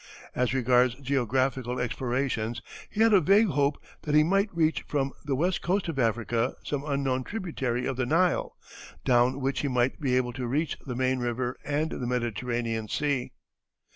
As regards geographical explorations he had a vague hope that he might reach from the west coast of Africa some unknown tributary of the Nile, down which he might be able to reach the main river and the Mediterranean Sea.